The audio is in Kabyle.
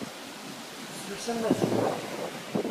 Fessus am azul.